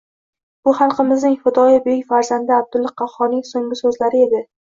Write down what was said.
Bu xalqimizning fidoyi, buyuk farzandi Abdulla Qahhorning so‘nggi so‘zlari edi…